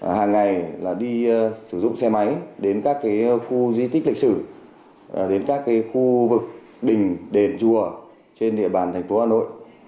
hàng ngày đi sử dụng xe máy đến các khu di tích lịch sử đến các khu vực đình đền chùa trên địa bàn thành phố hà nội